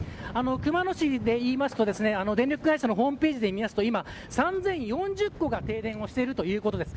熊野市でいうと電力会社のホームページで見ると今、３０４０戸が停電しているということです。